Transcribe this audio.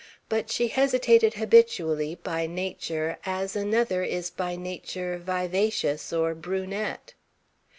But she hesitated habitually, by nature, as another is by nature vivacious or brunette.